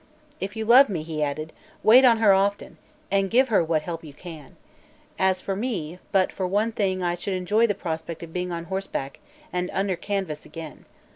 "If you love me," he added, "wait on her often, and give her what help you can. As for me, but for one thing, I should enjoy the prospect of being on horseback and under canvass again.